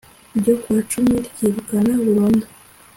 ryo ku wa cumi ryirukana burundu